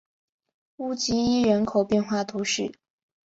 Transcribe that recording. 乌济伊人口变化图示